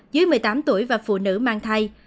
dưới một mươi tám tuổi và phụ nữ mang thai